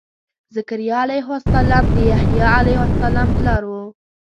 ذکریا علیه السلام د یحیا علیه السلام پلار و.